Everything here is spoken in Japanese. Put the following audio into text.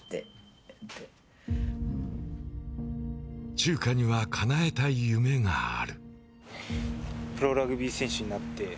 チューカにはかなえたい夢がある。